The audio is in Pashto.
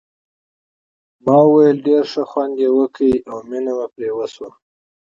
ما وویل ډېر ښه خوند یې وکړ او مینه مې پرې وشوه.